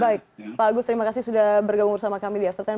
baik pak agus terima kasih sudah bergabung bersama kami di after sepuluh